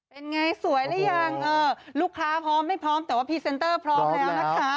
เป็นไงสวยแล้วอย่างลูกค้าพร้อมไม่พร้อมแต่ว่าพีเซนเตอร์พร้อมแล้ว